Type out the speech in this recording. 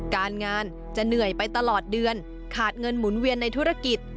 การงานจะเหนื่อยไปตลอดเดือนขาดเงินหมุนเวียนในธุรกิจ